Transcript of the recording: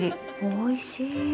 おいしい。